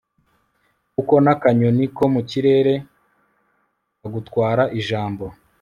kuko n'akanyoni ko mu kirere kagutwara ijambo